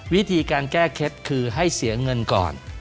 วิธีการแก้เคล็ดคือให้เสียเงินก่อน